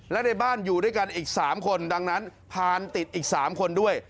และในบ้านอยู่ด้วยกันอีก๓คนดังนั้นพานติดอีก๓คนด้วย